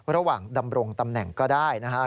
ระหว่างดำรงตำแหน่งก็ได้นะครับ